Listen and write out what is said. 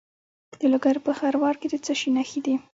د لوګر په خروار کې د څه شي نښې دي؟